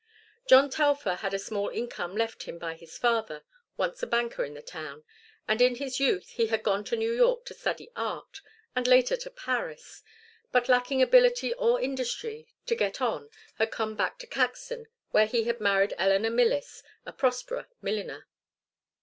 John Telfer had a small income left him by his father, once a banker in the town, and in his youth he had gone to New York to study art, and later to Paris; but lacking ability or industry to get on had come back to Caxton where he had married Eleanor Millis, a prosperous milliner.